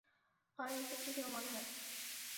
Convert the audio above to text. আর এতে কী প্রমাণ হয়?